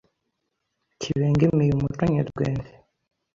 kibengemiye umuco nyerwende